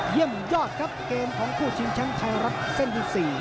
เยี่ยมยอดครับเกมของคู่ชิงแชมป์ไทยรัฐเส้นที่๔